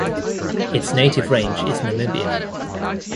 Its native range is Namibia.